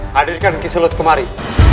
hadirkan kisilut kemari